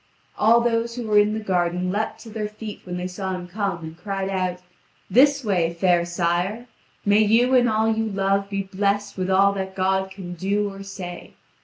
All those who were in the garden leaped to their feet when they saw him come, and cried out: "This way, fair sire. May you and all you love be blessed with all that God can do or say."